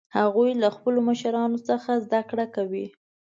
هغوی له خپلو مشرانو څخه زده کړه کوي